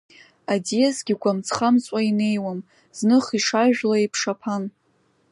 Аӡиасгьы гәамҵхамҵуа инеиуам, зных ишажәло еиԥш аԥан.